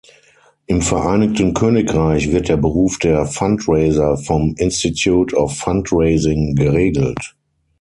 Im Vereinigten Königreich wird der Beruf der Fundraiser vom Institute of Fundraising geregelt.